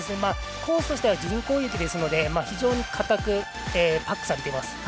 コースとしては人工雪ですので非常にかたくパックされています。